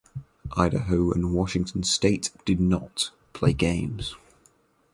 Idaho and Washington State did not play games.